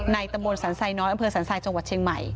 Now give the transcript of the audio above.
ในตะโมนสรรไซน์น้อยอำเภอสรรไซน์จังหวัดเชียงใหม่